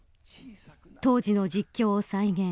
当時の実況を再現。